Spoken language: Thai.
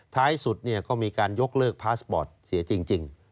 ท้ายสุดก็มีการยกเลิกพาสปอร์ตเสียจริง